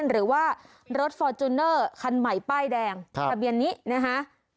หรือว่ารถฟอร์จูเนอร์คันใหม่ป้ายแดงทะเบียนนี้นะคะ